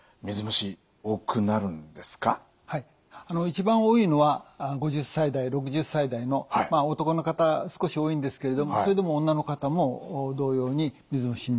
一番多いのは５０歳代６０歳代のまあ男の方少し多いんですけれどもそれでも女の方も同様に水虫になります。